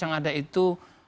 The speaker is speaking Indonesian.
yang ada itu